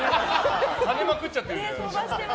はねまくっちゃってるじゃん。